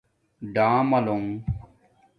ڈآملُݸنگ